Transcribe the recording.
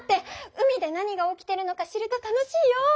海で何が起きてるのか知ると楽しいよ！